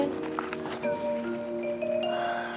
ya mana sih rompis